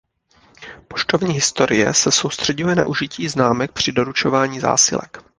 Poštovní historie se soustřeďuje na užití známek při doručování zásilek.